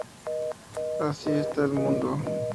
Así está el mundo.